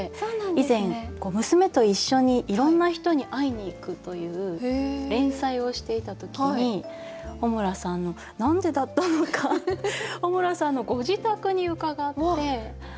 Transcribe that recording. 以前娘と一緒にいろんな人に会いにいくという連載をしていた時に穂村さんの何でだったのか穂村さんのご自宅に伺って。